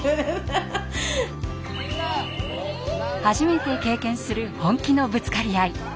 初めて経験する本気のぶつかり合い。